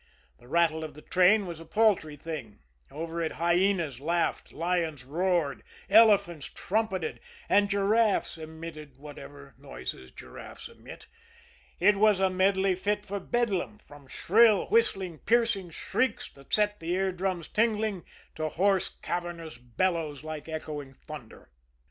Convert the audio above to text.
The rattle of the train was a paltry thing over it hyenas laughed, lions roared, elephants trumpeted, and giraffes emitted whatever noises giraffes emit. It was a medley fit for Bedlam, from shrill, whistling, piercing shrieks that set the ear drums tingling, to hoarse, cavernous bellows like echoing thunder.